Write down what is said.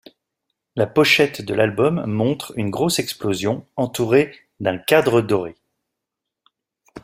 La pochette de l'album montre une grosse explosion entourée d'un cadre doré.